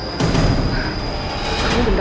kamu beneran gila